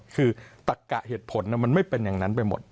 คือตักกะเหตุผลมันไม่เป็นอย่างนั้นไปหมด